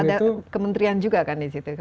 ada kementerian juga kan di situ